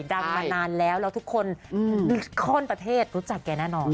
ดรังมานานแล้วทุกคนค่อนประเทศรู้จักแน่นอน